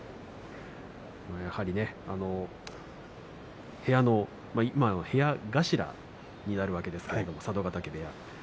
やはり、今は部屋頭になるわけですから佐渡ヶ嶽部屋。